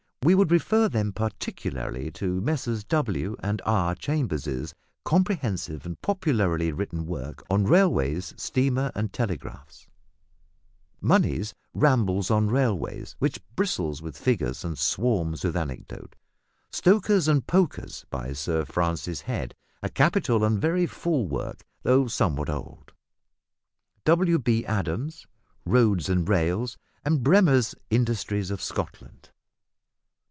We would refer them particularly to Messrs. W. and R. Chambers' comprehensive and popularly written work on "Railways, Steamer, and Telegraphs;" Money's "Rambles on Railways," which bristles with figures and swarms with anecdote; "Stokers and Pokers," by Sir Francis Head, a capital and very full work, though somewhat old; W.B. Adams' "Roads and Rails," and Bremrer's "Industries of Scotland."